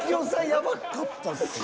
ヤバかったっすよ？